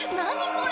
これ。